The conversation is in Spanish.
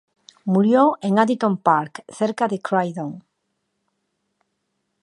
Murió en Addington Park, cerca de Croydon.